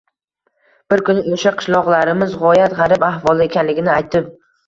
Bir kuni o’sha qishloqlarimiz g’oyat g’arib ahvolda ekanligini aytib